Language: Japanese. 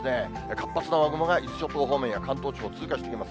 活発な雨雲が伊豆諸島や関東地方通過していきます。